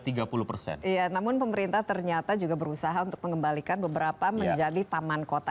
iya namun pemerintah ternyata juga berusaha untuk mengembalikan beberapa menjadi taman kota